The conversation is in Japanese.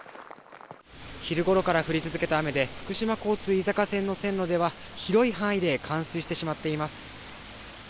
昼ごろから降り続けた雨で福島交通・飯坂線の線路では広い範囲で冠水してしまっています。